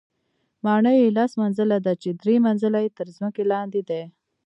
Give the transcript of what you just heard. ماڼۍ یې لس منزله ده، چې درې منزله یې تر ځمکې لاندې دي.